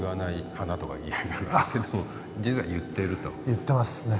言ってますね。